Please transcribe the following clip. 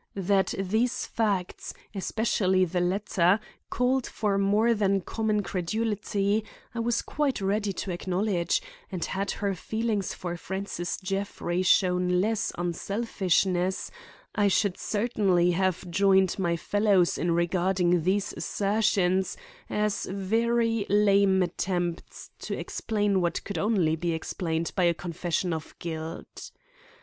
That these facts, especially the latter, called for more than common credulity, I was quite ready to acknowledge; and had her feeling for Francis Jeffrey shown less unselfishness, I should certainly have joined my fellows in regarding these assertions as very lame attempts to explain what could only be explained by a confession of guilt.